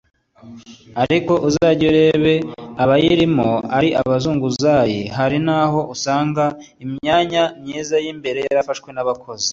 ariko uzajyeyo urebe ko abayirimo ari abazunguzayi hari n’aho usanga imyanya myiza y’imbere yarafashwe n’abakozi